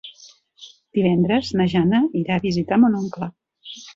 Divendres na Jana irà a visitar mon oncle.